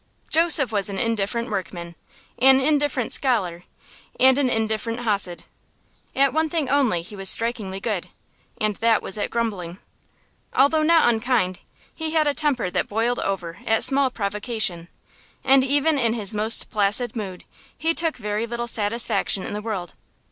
Joseph was an indifferent workman, an indifferent scholar, and an indifferent hasid. At one thing only he was strikingly good, and that was at grumbling. Although not unkind, he had a temper that boiled over at small provocation, and even in his most placid mood he took very little satisfaction in the world.